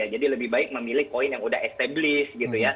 jadi lebih baik memilih coin yang sudah established